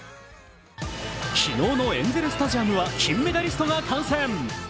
昨日のエンゼル・スタジアムは金メダリストが観戦。